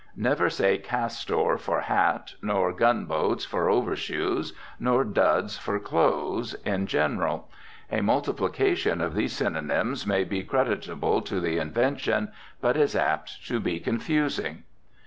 Never say castor for hat, nor gun boats for overshoes, nor duds for clothes in general. A multiplication of these synonyms may be creditable to the invention, but is apt to be confusing.